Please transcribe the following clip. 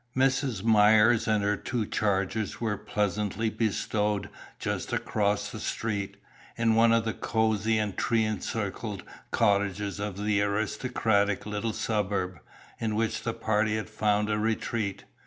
Mrs. Myers and her two charges were pleasantly bestowed just across the street, in one of the cosy and tree encircled cottages of the aristocratic little suburb, in which the party had found a retreat.